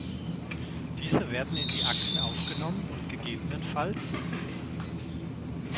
Diese werden in die Akten aufgenommen und ggf.